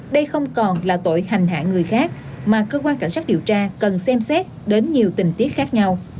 đây không còn là tội thành hạ người khác mà cơ quan cảnh sát điều tra cần xem xét đến nhiều tình tiết khác nhau